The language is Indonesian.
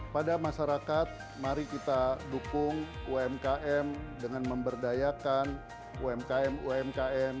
pada masyarakat mari kita dukung umkm dengan memberdayakan umkm umkm